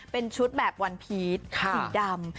เป็นชุดแบบวันพีชสีดำ